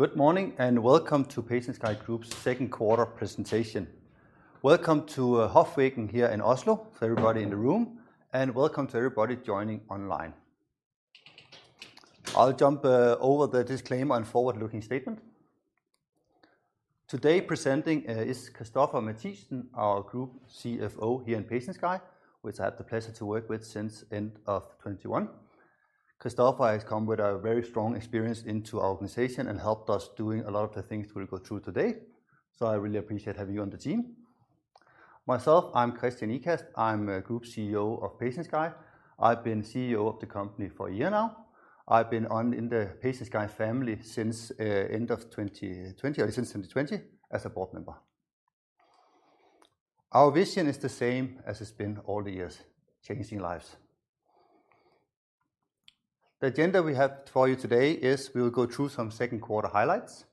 Good morning, and welcome to PatientSky Group's second quarter presentation. Welcome to Hoffsveien here in Oslo for everybody in the room, and welcome to everybody joining online. I'll jump over the disclaimer and forward-looking statement. Today presenting is Christoffer Mathiesen, our Group CFO here in PatientSky, which I have the pleasure to work with since end of 2021. Christoffer has come with a very strong experience into our organization and helped us doing a lot of the things we'll go through today, so I really appreciate having you on the team. Myself, I'm Kristian Ikast. I'm Group CEO of PatientSky. I've been CEO of the company for a year now. I've been in the PatientSky family since end of 2020, or since 2020, as a board member. Our vision is the same as it's been all the years, changing lives. The agenda we have for you today is we will go through some second quarter highlights,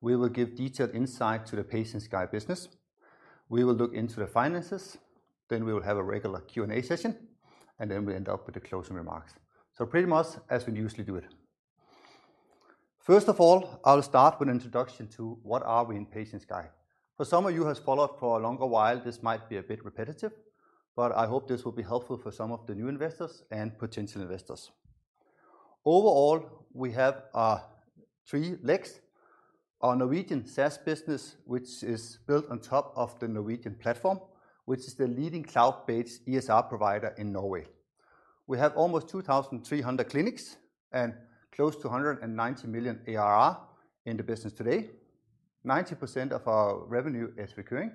we will give detailed insight to the PatientSky business, we will look into the finances, then we will have a regular Q&A session, and then we end up with the closing remarks. Pretty much as we usually do it. First of all, I'll start with an introduction to what are we in PatientSky. For some of you who has followed for a longer while, this might be a bit repetitive, but I hope this will be helpful for some of the new investors and potential investors. Overall, we have three legs. Our Norwegian SaaS business, which is built on top of the Norwegian platform, which is the leading cloud-based EHR provider in Norway. We have almost 2,300 clinics and close to 190 million ARR in the business today. 90% of our revenue is recurring,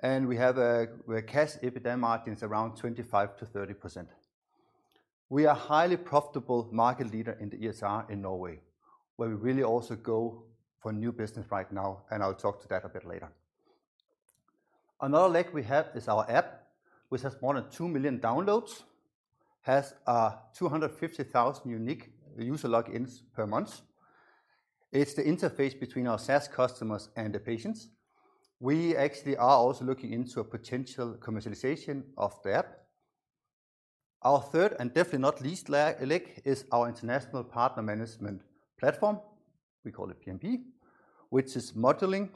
and we have, where cash EBITDA margin is around 25%-30%. We are highly profitable market leader in the EHR in Norway, where we really also go for new business right now, and I'll talk to that a bit later. Another leg we have is our app, which has more than 2 million downloads, has 250,000 unique user logins per month. It's the interface between our SaaS customers and the patients. We actually are also looking into a potential commercialization of the app. Our third, and definitely not least leg, is our international partner management platform, we call it PMP, which is modeling,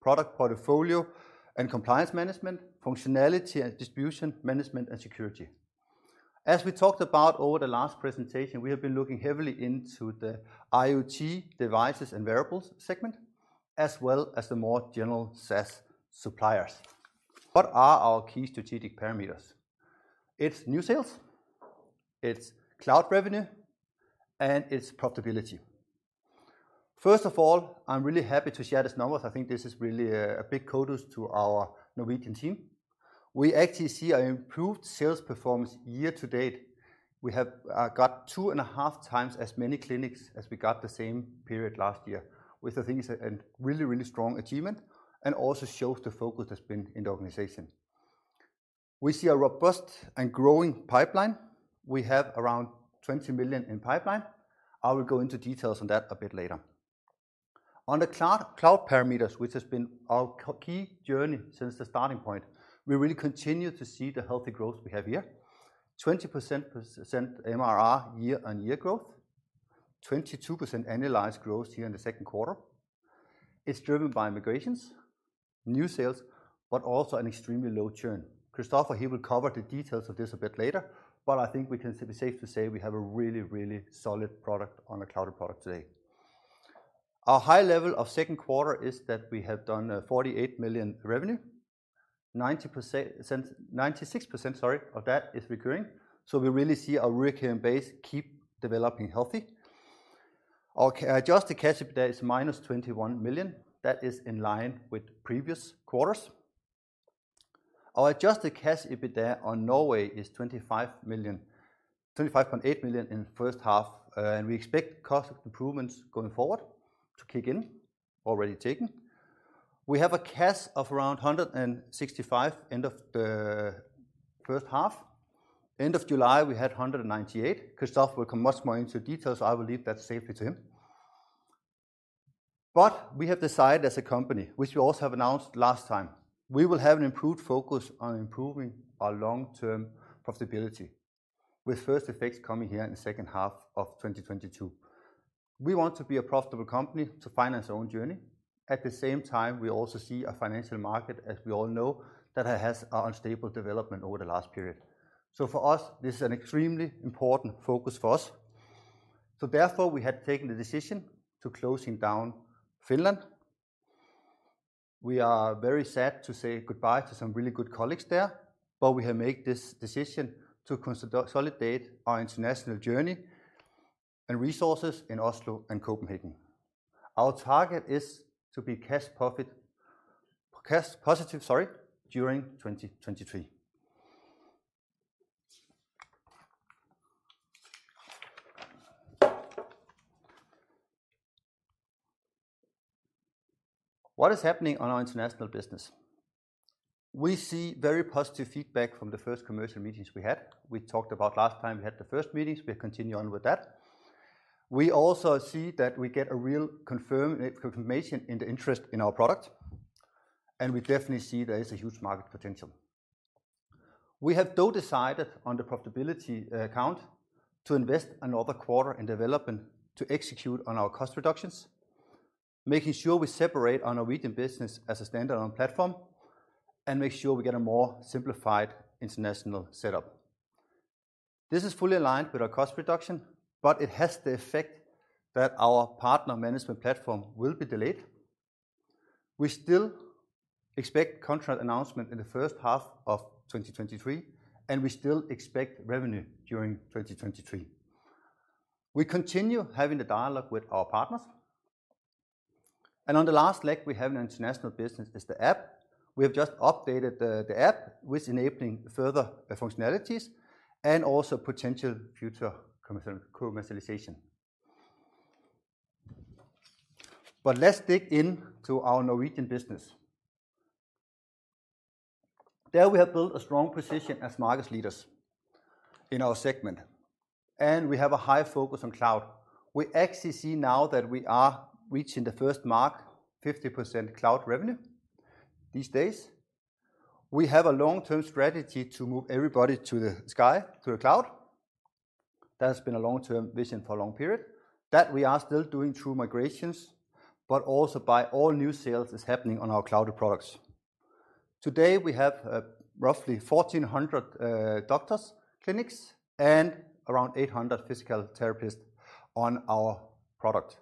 product portfolio and compliance management, functionality and distribution management, and security. As we talked about over the last presentation, we have been looking heavily into the IoT devices and wearables segment, as well as the more general SaaS suppliers. What are our key strategic parameters? It's new sales, it's cloud revenue, and it's profitability. First of all, I'm really happy to share these numbers. I think this is really a big kudos to our Norwegian team. We actually see an improved sales performance year to date. We have got 2.5 times as many clinics as we got the same period last year, which I think is a really strong achievement and also shows the focus that's been in the organization. We see a robust and growing pipeline. We have around 20 million in pipeline. I will go into details on that a bit later. On the cloud parameters, which has been our key journey since the starting point, we really continue to see the healthy growth we have here. 20% MRR year-on-year growth. 22% annualized growth here in the second quarter. It's driven by migrations, new sales, but also an extremely low churn. Christoffer, he will cover the details of this a bit later, but I think we can be safe to say we have a really, really solid product on the cloud product today. Our high level of second quarter is that we have done 48 million revenue. 96%, sorry, of that is recurring, so we really see our recurring base keep developing healthy. Our adjusted cash EBITDA is -21 million. That is in line with previous quarters. Our adjusted cash EBITDA in Norway is 25 million, 25.8 million in the first half, and we expect cost improvements going forward to kick in, already kicking. We have cash of around 165 million end of the first half. End of July, we had 198 million. Christoffer will come much more into details. I will leave that safely to him. We have decided as a company, which we also have announced last time, we will have an improved focus on improving our long-term profitability, with first effects coming here in the second half of 2022. We want to be a profitable company to finance our own journey. At the same time, we also see a financial market, as we all know, that has had an unstable development over the last period. For us, this is an extremely important focus for us. Therefore, we have taken the decision to close down Finland. We are very sad to say goodbye to some really good colleagues there, but we have made this decision to consolidate our international journey and resources in Oslo and Copenhagen. Our target is to be cash profit, cash positive, sorry, during 2023. What is happening on our international business? We see very positive feedback from the first commercial meetings we had. We talked about last time we had the first meetings. We're continuing on with that. We also see that we get a real confirmation in the interest in our product, and we definitely see there is a huge market potential. We have though decided on the profitability account to invest another quarter in development to execute on our cost reductions, making sure we separate our Norwegian business as a standalone platform and make sure we get a more simplified international setup. This is fully aligned with our cost reduction, but it has the effect that our partner management platform will be delayed. We still expect contract announcement in the first half of 2023, and we still expect revenue during 2023. We continue having the dialogue with our partners. On the last leg we have an international business is the app. We have just updated the app with enabling further functionalities and also potential future commercialization. Let's dig in to our Norwegian business. There we have built a strong position as market leaders in our segment, and we have a high focus on cloud. We actually see now that we are reaching the first mark, 50% cloud revenue these days. We have a long-term strategy to move everybody to the sky, to the cloud. That has been a long-term vision for a long period that we are still doing through migrations, but also by all new sales is happening on our cloud products. Today, we have roughly 1,400 doctors, clinics, and around 800 physical therapists on our product.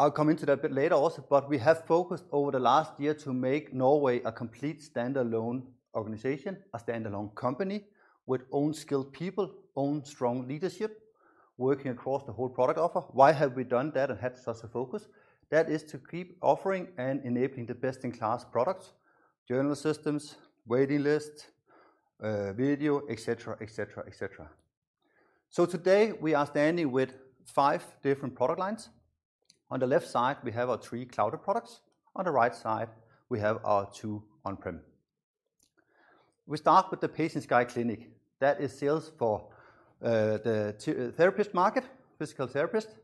I'll come into that a bit later also, but we have focused over the last year to make Norway a complete standalone organization, a standalone company with own skilled people, own strong leadership, working across the whole product offer. Why have we done that and had such a focus? That is to keep offering and enabling the best-in-class products, journal systems, waiting lists, video, et cetera, et cetera, et cetera. Today we are standing with five different product lines. On the left side, we have our three cloud products. On the right side, we have our two on-prem. We start with the PatientSky Clinic. That is sales for the therapist market, physical therapist.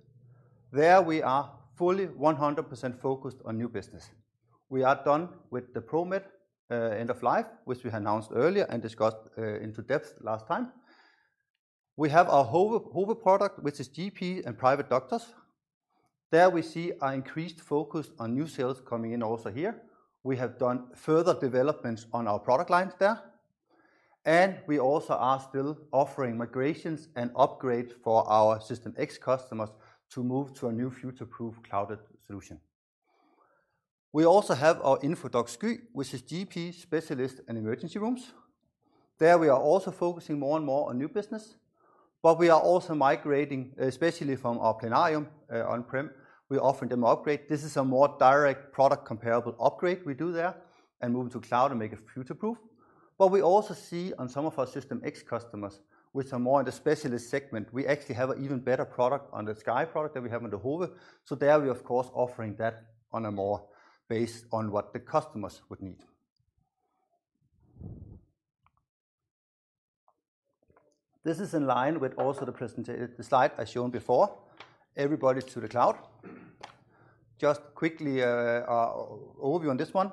There we are fully 100% focused on new business. We are done with the ProMed end-of-life, which we announced earlier and discussed in depth last time. We have our Hove product, which is GP and private doctors. There we see an increased focus on new sales coming in also here. We have done further developments on our product lines there. We also are still offering migrations and upgrades for our System X customers to move to a new future-proof cloud solution. We also have our Infodoc SKY, which is GP specialist and emergency rooms. There we are also focusing more and more on new business, but we are also migrating, especially from our Infodoc Plenario on-prem. We offer them upgrade. This is a more direct product comparable upgrade we do there and move into cloud and make it future-proof. We also see on some of our System X customers, which are more in the specialist segment, we actually have an even better product on the Sky product than we have on the Hove. There we are of course offering that on a more based on what the customers would need. This is in line with the slide I shown before. Everybody to the cloud. Just quickly, overview on this one.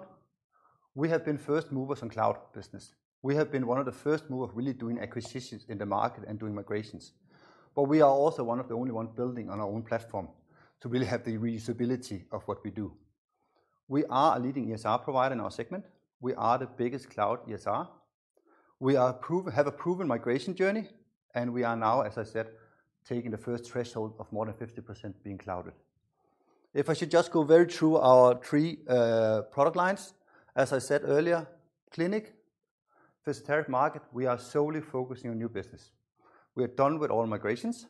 We have been first movers on cloud business. We have been one of the first movers really doing acquisitions in the market and doing migrations. We are also one of the only ones building on our own platform to really have the reusability of what we do. We are a leading EHR provider in our segment. We are the biggest cloud EHR. We have a proven migration journey, and we are now, as I said, taking the first threshold of more than 50% being clouded. If I should just go through our three product lines, as I said earlier, clinic, physiotherapy market, we are solely focusing on new business. We are done with all migrations.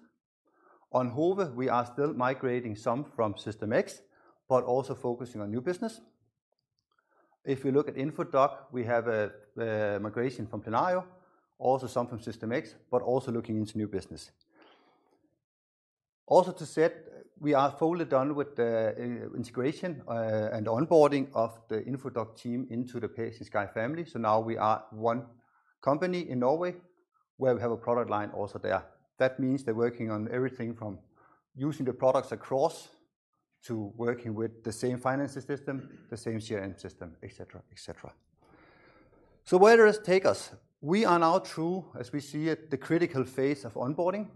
On Hove, we are still migrating some from System X, but also focusing on new business. If you look at Infodoc, we have a migration from Plenario, also some from System X, but also looking into new business. Also, we're set, we are fully done with the integration and onboarding of the Infodoc team into the PatientSky family. Now we are one company in Norway where we have a product line also there. That means they're working on everything from using the products across to working with the same finance system, the same CRM system, et cetera, et cetera. Where does this take us? We are now through, as we see it, the critical phase of onboarding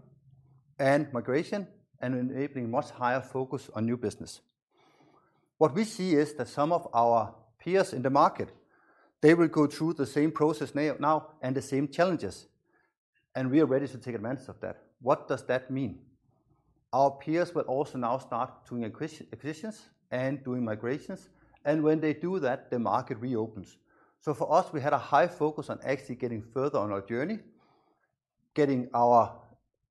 and migration and enabling much higher focus on new business. What we see is that some of our peers in the market, they will go through the same process now and the same challenges, and we are ready to take advantage of that. What does that mean? Our peers will also now start doing acquisitions and doing migrations, and when they do that, the market reopens. For us, we had a high focus on actually getting further on our journey, getting our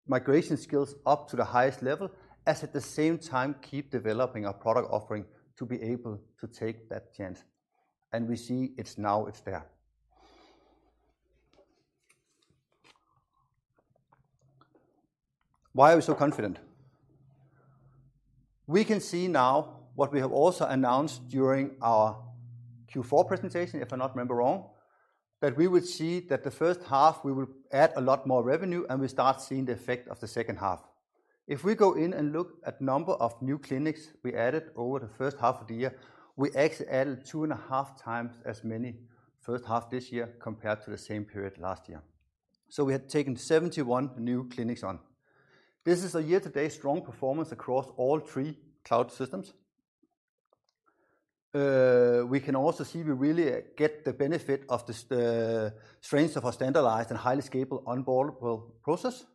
migration skills up to the highest level, and at the same time keep developing our product offering to be able to take that chance. We see it's now, it's there. Why are we so confident? We can see now what we have also announced during our Q4 presentation, if I'm not wrong, that we would see that the first half we will add a lot more revenue, and we start seeing the effect of the second half. If we go in and look at number of new clinics we added over the first half of the year, we actually added 2.5 times as many first half this year compared to the same period last year. We had taken 71 new clinics on. This is a year-to-date strong performance across all three cloud systems. We can also see we really get the benefit of the strength of our standardized and highly scalable onboarding process.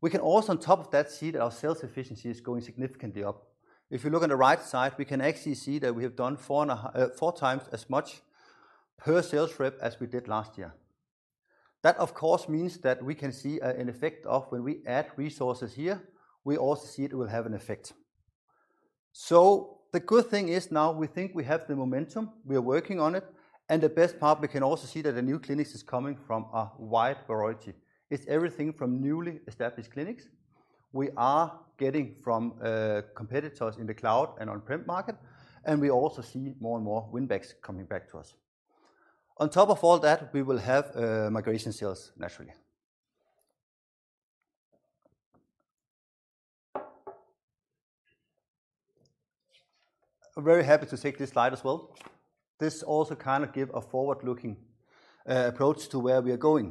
We can also, on top of that, see that our sales efficiency is going significantly up. If you look on the right side, we can actually see that we have done four times as much per sales rep as we did last year. That, of course, means that we can see an effect of when we add resources here, we also see it will have an effect. The good thing is now we think we have the momentum, we are working on it, and the best part, we can also see that the new clinics is coming from a wide variety. It's everything from newly established clinics we are getting from competitors in the cloud and on-prem market, and we also see more and more win-backs coming back to us. On top of all that, we will have migration sales, naturally. I'm very happy to take this slide as well. This also kind of give a forward-looking approach to where we are going.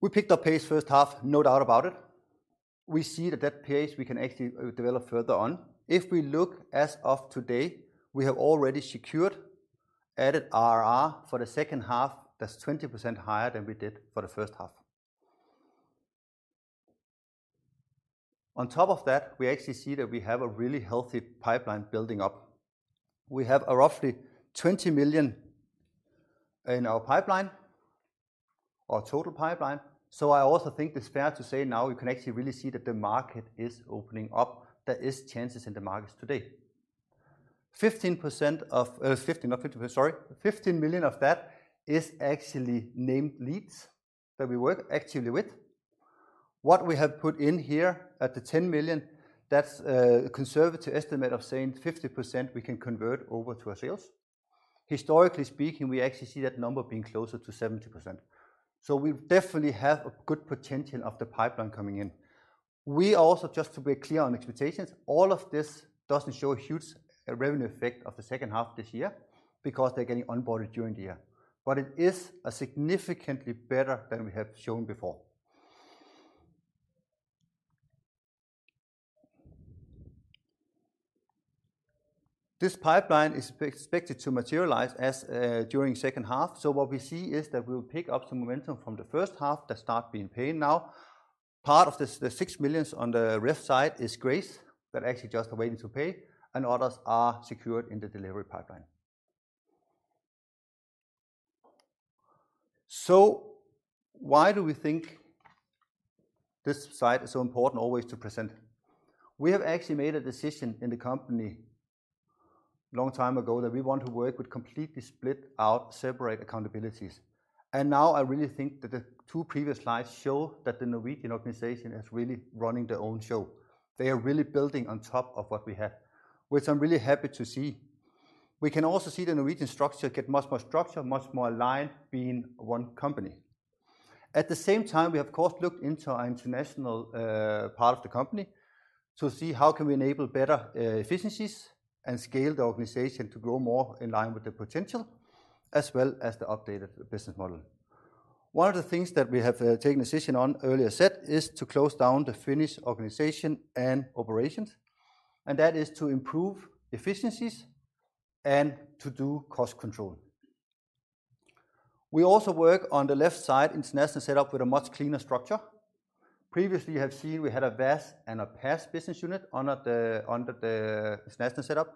We picked up pace first half, no doubt about it. We see that pace we can actually develop further on. If we look as of today, we have already secured added ARR for the second half that's 20% higher than we did for the first half. On top of that, we actually see that we have a really healthy pipeline building up. We have roughly 20 million in our pipeline or total pipeline, so I also think it's fair to say now we can actually really see that the market is opening up. There is chances in the markets today. Fifteen, not fifty, sorry. 15 million of that is actually named leads that we work actively with. What we have put in here at the 10 million, that's a conservative estimate of saying 50% we can convert over to our sales. Historically speaking, we actually see that number being closer to 70%. We definitely have a good potential of the pipeline coming in. We also, just to be clear on expectations, all of this doesn't show a huge revenue effect of the second half this year because they're getting onboarded during the year. It is significantly better than we have shown before. This pipeline is expected to materialize during second half. What we see is that we will pick up some momentum from the first half that start being paid now. Part of this, the 6 million on the left side is grace, that actually just are waiting to pay, and others are secured in the delivery pipeline. Why do we think this slide is so important always to present? We have actually made a decision in the company long time ago that we want to work with completely split out separate accountabilities. Now I really think that the two previous slides show that the Norwegian organization is really running their own show. They are really building on top of what we have, which I'm really happy to see. We can also see the Norwegian structure get much more structure, much more aligned being one company. At the same time, we have of course looked into our international part of the company to see how can we enable better efficiencies and scale the organization to grow more in line with the potential as well as the updated business model. One of the things that we have taken a decision on earlier set is to close down the Finnish organization and operations, and that is to improve efficiencies and to do cost control. We also work on the left side in Snåsa setup with a much cleaner structure. Previously, you have seen we had a VAS and a PaaS business unit under the Snåsa setup.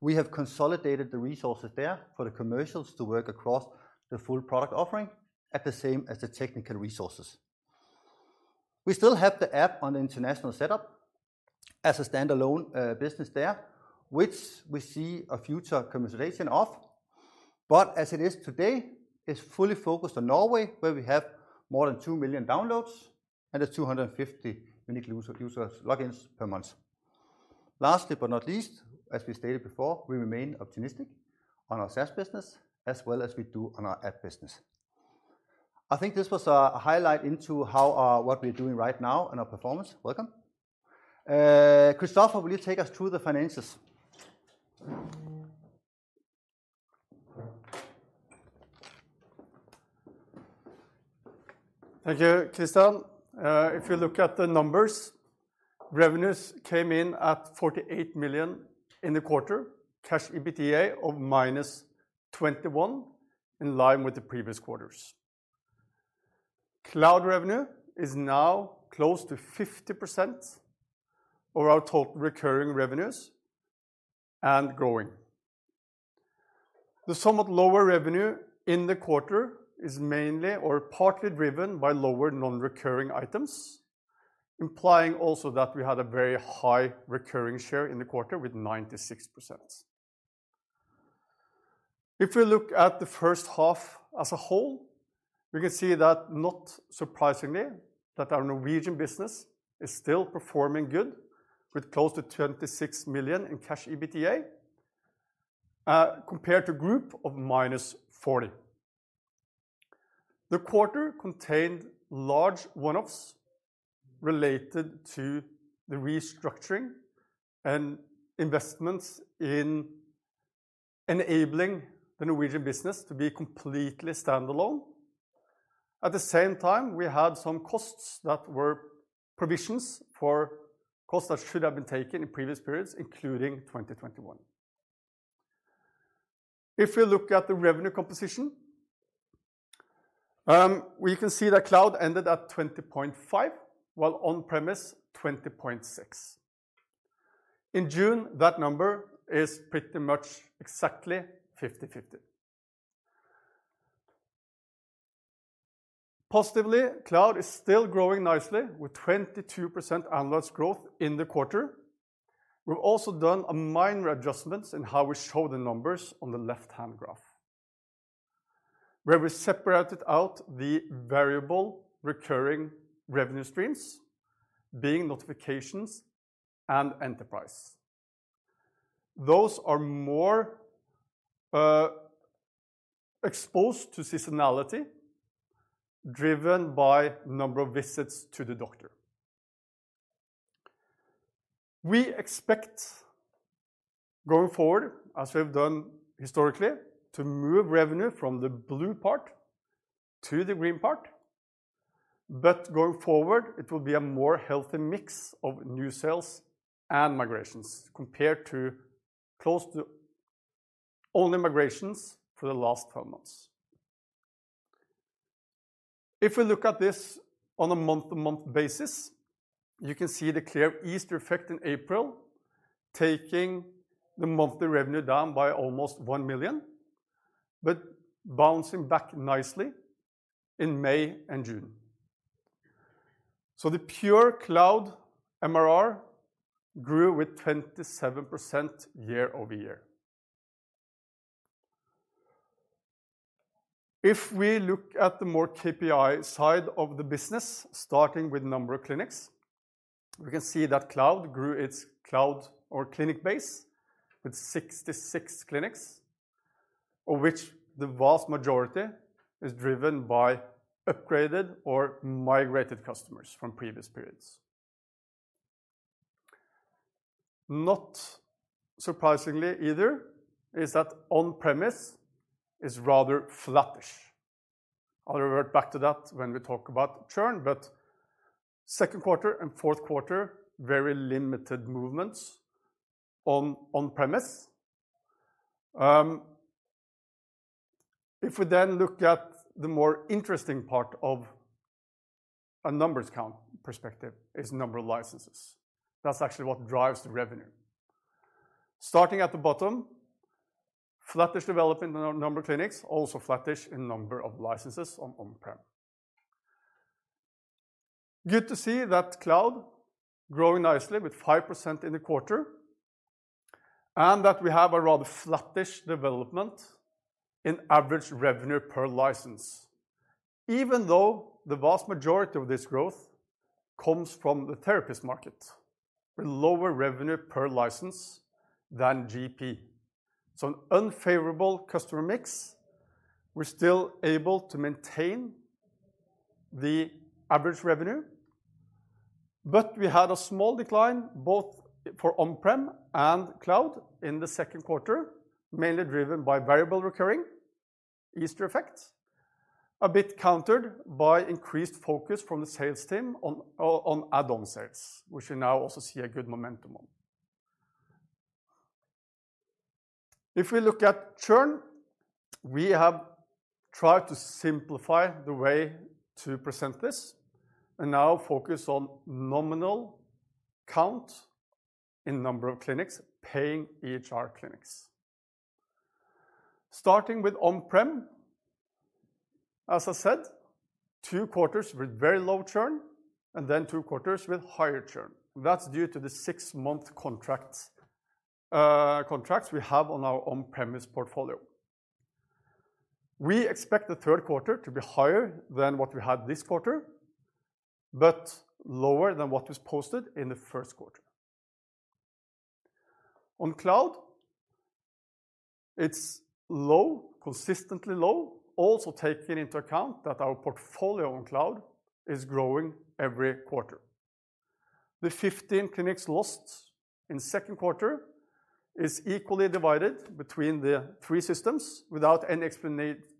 We have consolidated the resources there for the commercials to work across the full product offering as well as the technical resources. We still have the app on the international setup as a standalone business there, which we see a future conversation of. As it is today, it's fully focused on Norway, where we have more than 2 million downloads and 250 unique user logins per month. Lastly, but not least, as we stated before, we remain optimistic on our SaaS business as well as we do on our app business. I think this was an insight into what we're doing right now and our performance. Welcome. Christoffer, will you take us through the finances? Thank you, Kristian. If you look at the numbers, revenues came in at 48 million in the quarter, cash EBITDA of -21 million, in line with the previous quarters. Cloud revenue is now close to 50% of our total recurring revenues and growing. The somewhat lower revenue in the quarter is mainly or partly driven by lower non-recurring items, implying also that we had a very high recurring share in the quarter with 96%. If we look at the first half as a whole, we can see that, not surprisingly, that our Norwegian business is still performing good with close to 26 million in cash EBITDA. Compared to group of -40. The quarter contained large one-offs related to the restructuring and investments in enabling the Norwegian business to be completely standalone. At the same time, we had some costs that were provisions for costs that should have been taken in previous periods, including 2021. If you look at the revenue composition, we can see that cloud ended at 20.5%, while on-premise, 20.6%. In June, that number is pretty much exactly 50/50. Positively, cloud is still growing nicely with 22% annual growth in the quarter. We've also done a minor adjustments in how we show the numbers on the left-hand graph, where we separated out the variable recurring revenue streams, being notifications and enterprise. Those are more exposed to seasonality, driven by number of visits to the doctor. We expect going forward, as we have done historically, to move revenue from the blue part to the green part. Going forward, it will be a more healthy mix of new sales and migrations compared to close to only migrations for the last 12 months. If we look at this on a month-to-month basis, you can see the clear Easter effect in April, taking the monthly revenue down by almost 1 million, but bouncing back nicely in May and June. The pure cloud MRR grew with 27% year-over-year. If we look at the more KPI side of the business, starting with number of clinics, we can see that cloud grew its cloud or clinic base with 66 clinics, of which the vast majority is driven by upgraded or migrated customers from previous periods. Not surprisingly either is that on-premise is rather flattish. I'll revert back to that when we talk about churn, but second quarter and fourth quarter, very limited movements on on-premise. If we then look at the more interesting part of a numbers count perspective is number of licenses. That's actually what drives the revenue. Starting at the bottom, flattish development in the number of clinics, also flattish in number of licenses on-prem. Good to see that cloud growing nicely with 5% in the quarter, and that we have a rather flattish development in average revenue per license. Even though the vast majority of this growth comes from the therapist market with lower revenue per license than GP. An unfavorable customer mix, we're still able to maintain the average revenue. We had a small decline both for on-prem and cloud in the second quarter, mainly driven by variable recurring, Easter effect, a bit countered by increased focus from the sales team on add-on sales, which we now also see a good momentum on. If we look at churn, we have tried to simplify the way to present this and now focus on nominal count in number of clinics, paying EHR clinics. Starting with on-prem, as I said, two quarters with very low churn, and then two quarters with higher churn. That's due to the six-month contracts we have on our on-premise portfolio. We expect the third quarter to be higher than what we had this quarter, but lower than what was posted in the first quarter. On cloud, it's low, consistently low, also taking into account that our portfolio on cloud is growing every quarter. The 15 clinics lost in the second quarter is equally divided between the three systems without any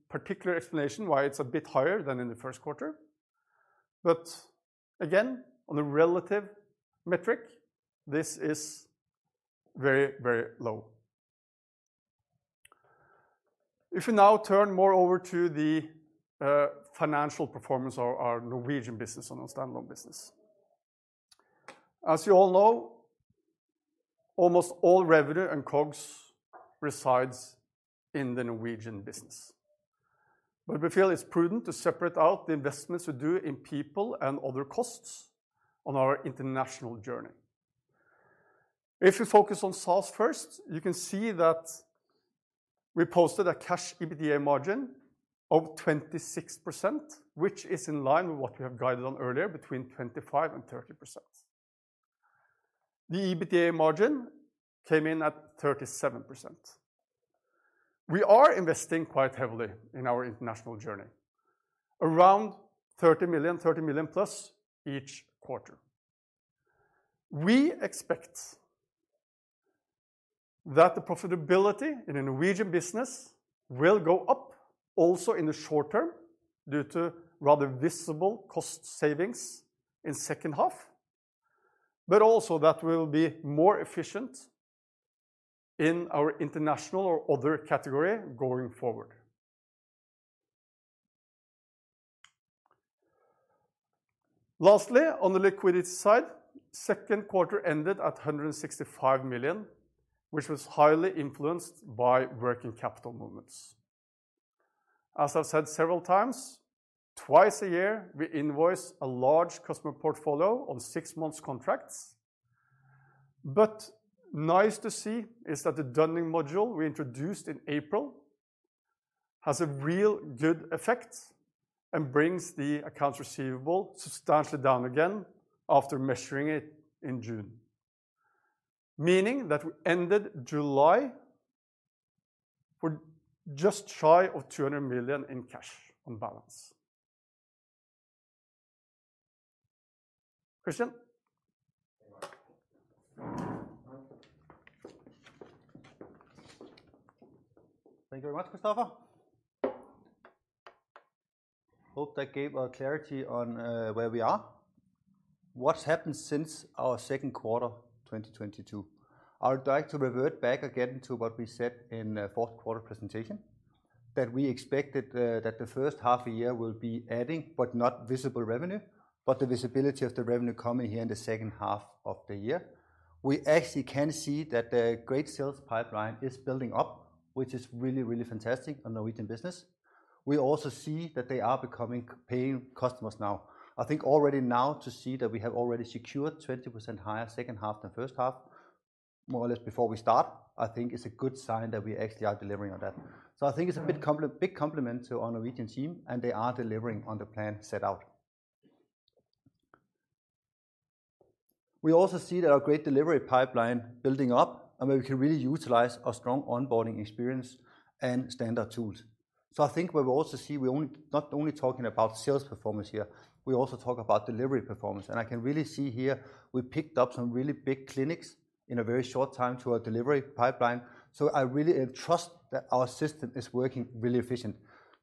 particular explanation why it's a bit higher than in the first quarter. Again, on a relative metric, this is very, very low. If you now turn more over to the financial performance of our Norwegian business on our standalone business. As you all know, almost all revenue and COGS resides in the Norwegian business. We feel it's prudent to separate out the investments we do in people and other costs on our international journey. If you focus on SaaS first, you can see that we posted a cash EBITDA margin of 26%, which is in line with what we have guided on earlier, between 25%-30%. The EBITDA margin came in at 37%. We are investing quite heavily in our international journey, around 30 million, 30 million-plus each quarter. We expect that the profitability in the Norwegian business will go up also in the short term due to rather visible cost savings in second half, but also that we'll be more efficient in our international or other category going forward. Lastly, on the liquidity side, second quarter ended at 165 million, which was highly influenced by working capital movements. As I've said several times, twice a year, we invoice a large customer portfolio on six months contracts. Nice to see is that the Dunning module we introduced in April has a real good effect and brings the accounts receivable substantially down again after measuring it in June, meaning that we ended July with just shy of 200 million in cash on balance. Kristian? Thank you very much, Christoffer. Hope that gave us clarity on where we are. What's happened since our second quarter 2022? I would like to revert back again to what we said in the fourth quarter presentation, that we expected that the first half of the year will be adding, but not visible revenue, but the visibility of the revenue coming here in the second half of the year. We actually can see that the great sales pipeline is building up, which is really, really fantastic on Norwegian business. We also see that they are becoming paying customers now. I think already now to see that we have already secured 20% higher second half than first half, more or less before we start, I think is a good sign that we actually are delivering on that. I think it's a big compliment to our Norwegian team, and they are delivering on the plan set out. We also see that our great delivery pipeline building up, and where we can really utilize our strong onboarding experience and standard tools. I think what we also see, we're not only talking about sales performance here, we also talk about delivery performance. I can really see here we picked up some really big clinics in a very short time to our delivery pipeline. I really trust that our system is working really efficient.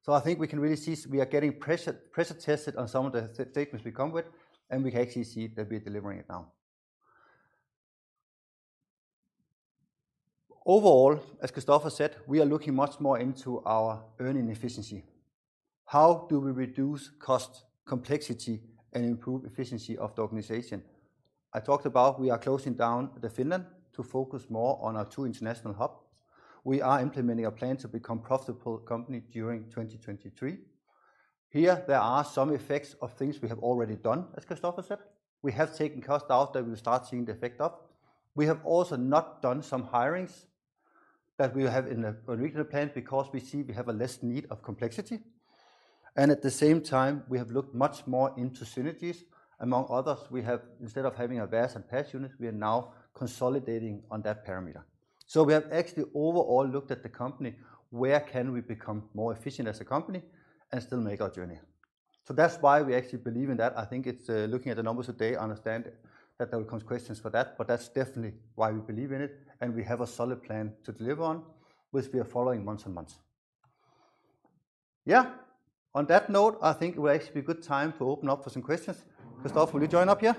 I think we can really see we are getting pressure tested on some of the statements we come with, and we can actually see that we're delivering it now. Overall, as Christoffer said, we are looking much more into our earning efficiency. How do we reduce cost, complexity, and improve efficiency of the organization? I talked about we are closing down the Finland to focus more on our two international hubs. We are implementing a plan to become profitable company during 2023. Here, there are some effects of things we have already done, as Christoffer said. We have taken cost out that we'll start seeing the effect of. We have also not done some hirings that we have in the original plan because we see we have a less need of complexity. At the same time, we have looked much more into synergies. Among others, we have, instead of having a VAS and PaaS unit, we are now consolidating on that parameter. We have actually overall looked at the company, where can we become more efficient as a company and still make our journey? That's why we actually believe in that. I think it's looking at the numbers today. I understand that there will come questions for that, but that's definitely why we believe in it, and we have a solid plan to deliver on, which we are following month by month. Yeah. On that note, I think it will actually be a good time to open up for some questions. Christoffer, will you join up here?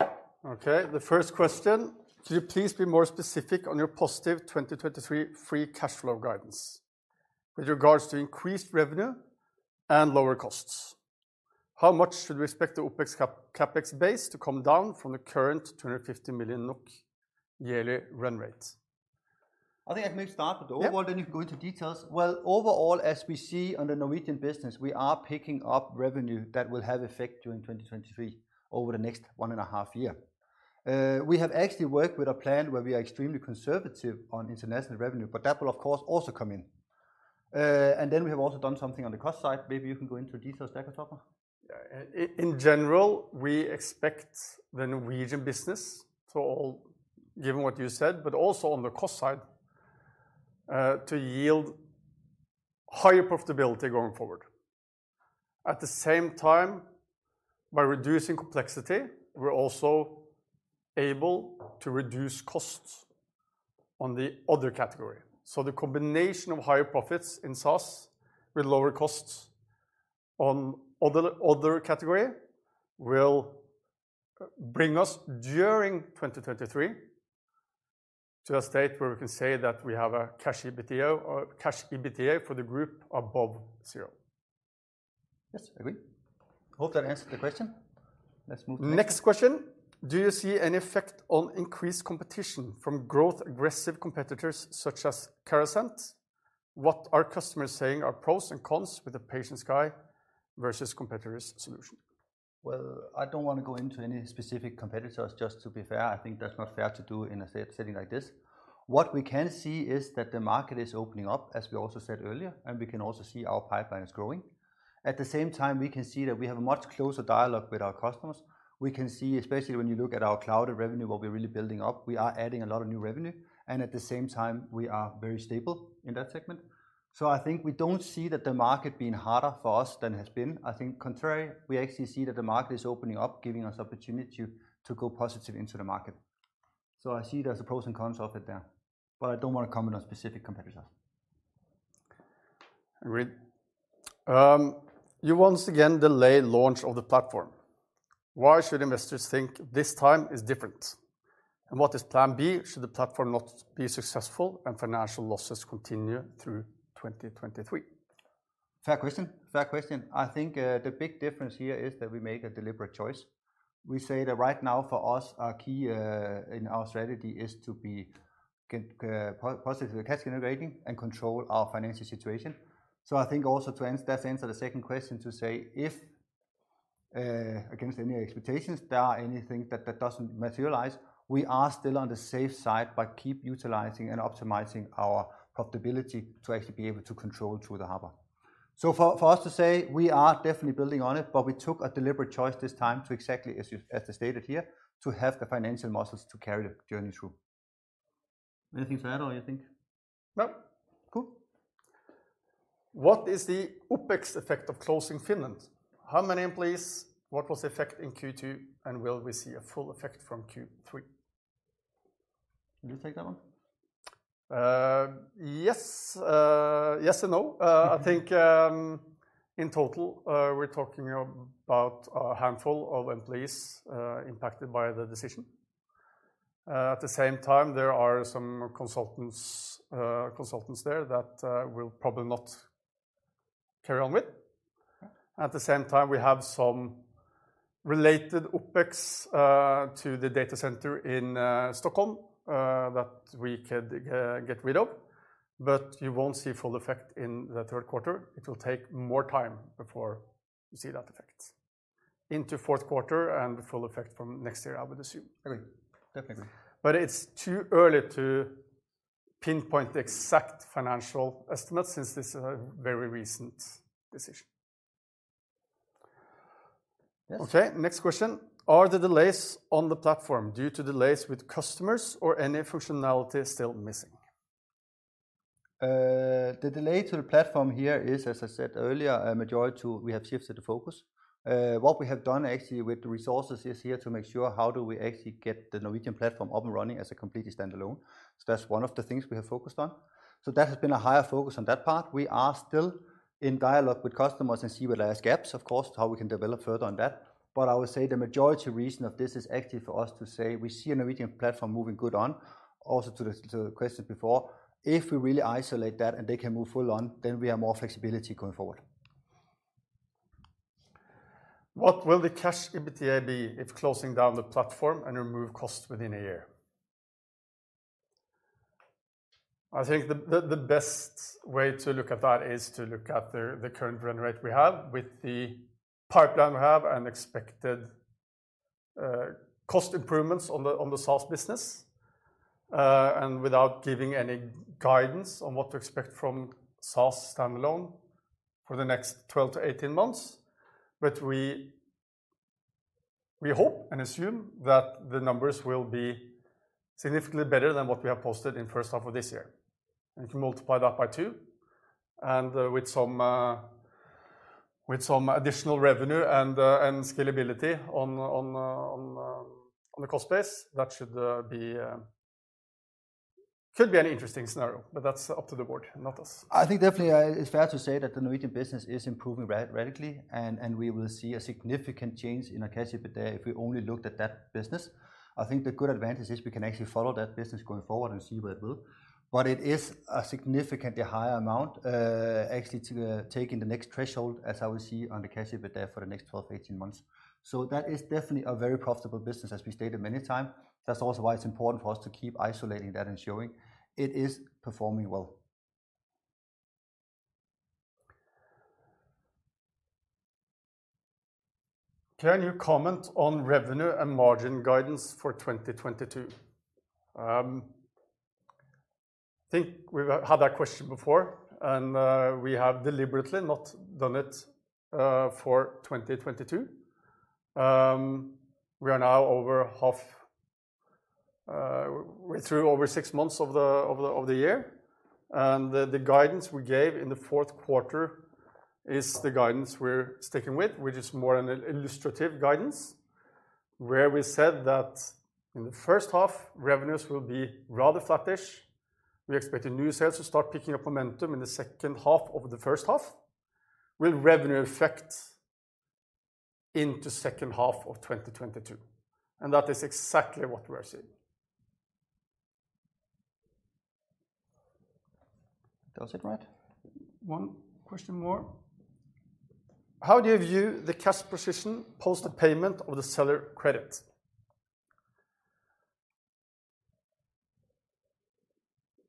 Yeah. Okay, the first question: Could you please be more specific on your positive 2023 free cash flow guidance with regards to increased revenue and lower costs? How much should we expect the OpEx, CapEx base to come down from the current 250 million NOK yearly run rate? I think I may start with the overall. Yeah. You go into details. Well, overall, as we see on the Norwegian business, we are picking up revenue that will have effect during 2023 over the next one and a half year. We have actually worked with a plan where we are extremely conservative on international revenue, but that will of course also come in. We have also done something on the cost side. Maybe you can go into details there, Christoffer. Yeah. In general, we expect the Norwegian business given what you said, but also on the cost side, to yield higher profitability going forward. At the same time, by reducing complexity, we're also able to reduce costs on the other category. The combination of higher profits in SaaS with lower costs on other category will bring us during 2023 to a state where we can say that we have a cash EBITDA or cash EBITDA for the group above zero. Yes, agree. Hope that answered the question. Let's move to next. Next question: Do you see any effect on increased competition from growth aggressive competitors such as Carasent? What are customers saying are pros and cons with the PatientSky versus competitors' solution? Well, I don't wanna go into any specific competitors, just to be fair. I think that's not fair to do in a setting like this. What we can see is that the market is opening up, as we also said earlier, and we can also see our pipeline is growing. At the same time, we can see that we have a much closer dialogue with our customers. We can see, especially when you look at our cloud revenue, what we're really building up, we are adding a lot of new revenue, and at the same time we are very stable in that segment. I think we don't see that the market being harder for us than it has been. I think contrary, we actually see that the market is opening up, giving us opportunity to go positive into the market. I see there's the pros and cons of it there, but I don't wanna comment on specific competitors. Agreed. You once again delay launch of the platform. Why should investors think this time is different? What is plan B should the platform not be successful and financial losses continue through 2023? Fair question. I think the big difference here is that we make a deliberate choice. We say that right now for us, our key in our strategy is to be positive cash generating and control our financial situation. I think also to answer the second question, to say if against any expectations there are anything that doesn't materialize, we are still on the safe side, but keep utilizing and optimizing our profitability to actually be able to control through the harbor. For us to say, we are definitely building on it, but we took a deliberate choice this time to exactly as stated here, to have the financial muscles to carry the journey through. Anything to add or you think? No. Cool. What is the OpEx effect of closing Finland? How many employees? What was the effect in Q2, and will we see a full effect from Q3? Can you take that one? Yes. Yes and no. I think in total we're talking about a handful of employees impacted by the decision. At the same time, there are some consultants there that we'll probably not carry on with. At the same time, we have some related OpEx to the data center in Stockholm that we could get rid of, but you won't see full effect in the third quarter. It will take more time before you see that effect. Into fourth quarter and the full effect from next year, I would assume. Agreed. Definitely. It's too early to pinpoint the exact financial estimate since this is a very recent decision. Yes. Okay, next question. Are the delays on the platform due to delays with customers or any functionality still missing? The delay to the platform here is, as I said earlier, a majority due to we have shifted the focus. What we have done actually with the resources is here to make sure how do we actually get the Norwegian platform up and running as a completely standalone. That's one of the things we have focused on. That has been a higher focus on that part. We are still in dialogue with customers and see where there is gaps, of course, how we can develop further on that. I would say the majority reason of this is actually for us to say we see a Norwegian platform moving good on. Also, to the question before, if we really isolate that and they can move full on, then we have more flexibility going forward. What will the cash EBITDA be if closing down the platform and remove costs within a year? I think the best way to look at that is to look at the current run rate we have with the pipeline we have and expected cost improvements on the SaaS business, without giving any guidance on what to expect from SaaS standalone for the next 12 to 18 months. We hope and assume that the numbers will be significantly better than what we have posted in first half of this year. If you multiply that by two, and with some additional revenue and scalability on the cost base, that should be. Could be an interesting scenario, but that's up to the board, not us. I think definitely, it's fair to say that the Norwegian business is improving radically, and we will see a significant change in our cash EBITDA if we only looked at that business. I think the good advantage is we can actually follow that business going forward and see where it will. It is a significantly higher amount, actually to attain the next threshold, as we'll see on the cash EBITDA for the next 12 to 18 months. That is definitely a very profitable business, as we stated many times. That's also why it's important for us to keep isolating that and showing it is performing well. Can you comment on revenue and margin guidance for 2022? Think we've had that question before, and we have deliberately not done it for 2022. We are now over half, we're through over six months of the year, and the guidance we gave in the fourth quarter is the guidance we're sticking with, which is more an illustrative guidance, where we said that in the first half, revenues will be rather flattish. We expect the new sales to start picking up momentum in the second half of the first half, with revenue effect into second half of 2022. That is exactly what we are seeing. That was it, right? One question more. How do you view the cash position post the payment of the seller credit?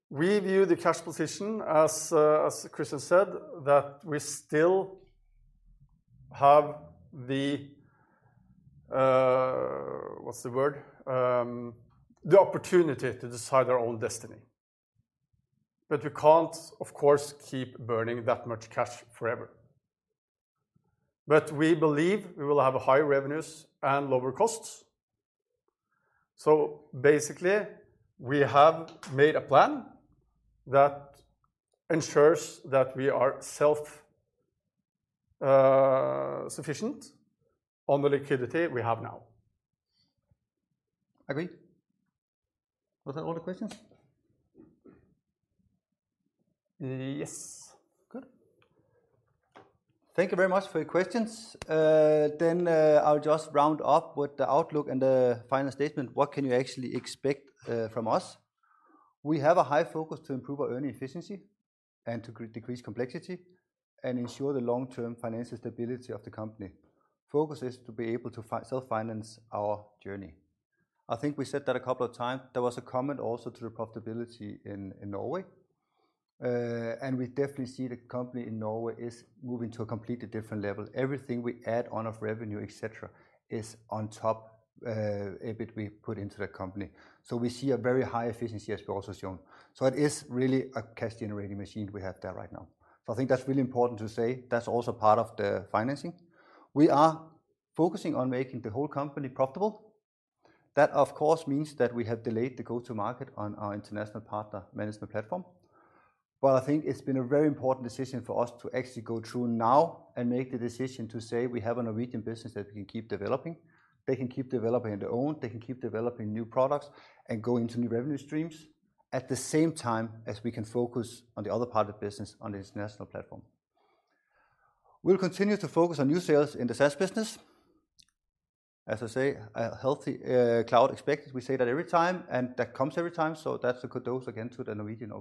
We view the cash position as Kristian said, that we still have the, what's the word? the opportunity to decide our own destiny. You can't, of course, keep burning that much cash forever. We believe we will have higher revenues and lower costs. Basically, we have made a plan that ensures that we are self sufficient on the liquidity we have now. Agree? Was that all the questions? Yes. Good. Thank you very much for your questions. I'll just round up with the outlook and the final statement, what can you actually expect, from us. We have a high focus to improve our earnings efficiency and to decrease complexity and ensure the long-term financial stability of the company. Focus is to be able to self-finance our journey. I think we said that a couple of times. There was a comment also to the profitability in Norway. We definitely see the company in Norway is moving to a completely different level. Everything we add on of revenue, et cetera, is on top, EBIT, we put into the company. We see a very high efficiency, as we also shown. It is really a cash-generating machine we have there right now. I think that's really important to say. That's also part of the financing. We are focusing on making the whole company profitable. That, of course, means that we have delayed the go-to-market on our international partner management platform. I think it's been a very important decision for us to actually go through now and make the decision to say we have a Norwegian business that we can keep developing. They can keep developing on their own, they can keep developing new products and go into new revenue streams at the same time as we can focus on the other part of the business on the international platform. We'll continue to focus on new sales in the SaaS business. As I say, a healthy growth expected. We say that every time, and that comes every time, so that's a kudos again to the Norwegian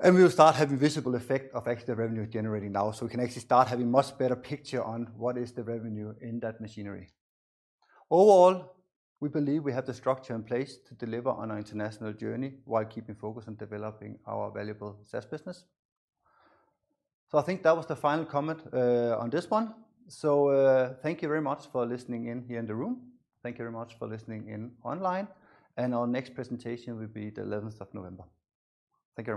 organization. We'll start having visible effect of actually the revenue generating now, so we can actually start having much better picture on what is the revenue in that machinery. Overall, we believe we have the structure in place to deliver on our international journey while keeping focus on developing our valuable SaaS business. I think that was the final comment on this one. Thank you very much for listening in here in the room. Thank you very much for listening in online, and our next presentation will be the eleventh of November. Thank you.